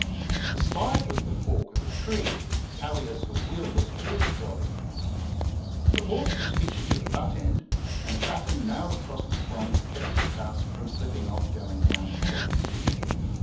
The slide was the fork of a tree, alias a wheel less water trolly. The horse was hitched to the butt end, and a batten nailed across the prongs kept the cask from slipping off going uphill.